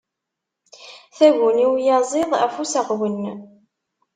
Taguni uyaziḍ af useɣwen.